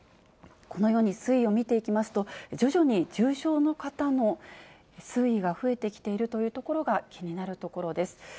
このように推移を見ていきますと、徐々に重症の方の推移が増えてきているというところが、気になるところです。